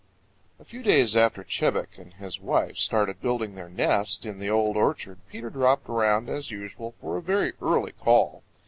A few days after Chebec and his wife started building their nest in the Old Orchard Peter dropped around as usual for a very early call.